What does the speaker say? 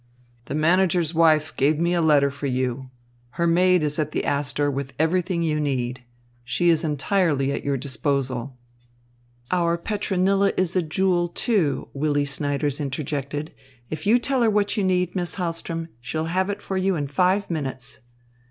The manager's wife gave me a letter for you. Her maid is at the Astor with everything you need. She is entirely at your disposal." "Our Petronilla is a jewel, too," Willy Snyders interjected. "If you tell her what you need, Miss Hahlström, she'll have it for you in five minutes."